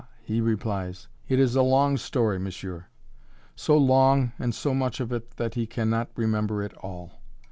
he replies, "it is a long story, monsieur." So long and so much of it that he can not remember it all!